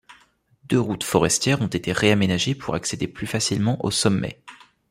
Deux routes forestières ont été réaménagées pour accéder plus facilement au sommet.